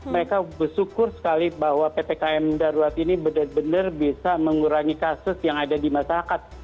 mereka bersyukur sekali bahwa ppkm darurat ini benar benar bisa mengurangi kasus yang ada di masyarakat